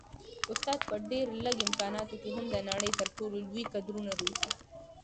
استاد په ډېر لږ امکاناتو کي هم د نړۍ تر ټولو لوی کدرونه روزي.